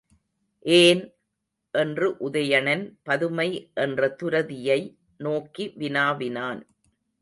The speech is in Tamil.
ஏன்? என்று உதயணன் பதுமை என்ற துரதியை நோக்கி வினாவினான்.